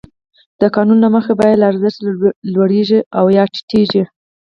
د قانون له مخې بیه له ارزښت لوړېږي یا ټیټېږي